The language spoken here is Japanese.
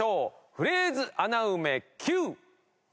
フレーズ穴埋めＱ！